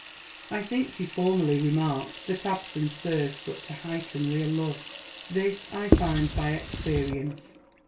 I think you formerly remarked that absence served but to heighten real love. This I find by experience.